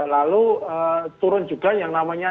lalu turun juga yang namanya